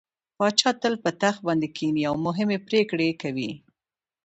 پاچا تل په تخت باندې کيني او مهمې پرېکړې پرې کوي.